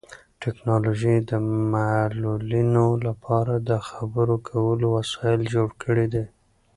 ټیکنالوژي د معلولینو لپاره د خبرو کولو وسایل جوړ کړي دي.